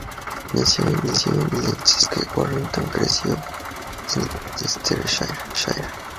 Nació en Leicester, aunque Warrington creció en Leicestershire.